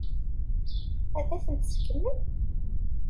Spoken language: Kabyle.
Ad tent-seggmen?